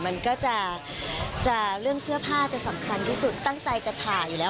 มันก็จะเรื่องเสื้อผ้าจะสำคัญที่สุดตั้งใจจะถ่ายอยู่แล้ว